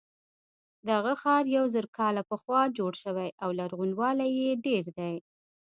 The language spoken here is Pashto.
دغه ښار یو زر کاله پخوا جوړ شوی او لرغونوالی یې ډېر دی.